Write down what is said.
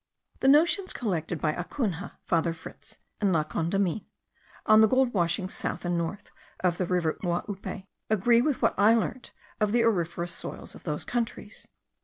The notions collected by Acunha, Father Fritz, and La Condamine, on the gold washings south and north of the river Uaupe, agree with what I learnt of the auriferous soil of those countries.